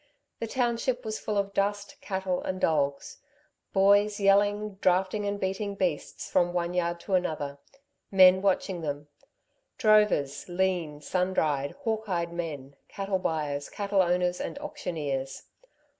The township was full of dust, cattle, and dogs; boys, yelling, drafting and beating beasts from one yard to another, men watching them, drovers, lean, sun dried, hawk eyed men, cattle buyers, cattle owners and auctioneers.